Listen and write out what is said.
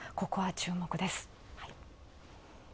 ここは注目です。